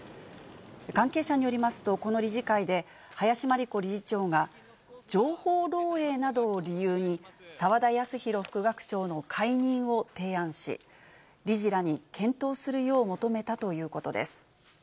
関係者によりますと、この理事会で、林真理子理事長が、情報漏洩などを理由に、澤田康広副学長の解任を提案し、理事らに検討するよう求めたということです。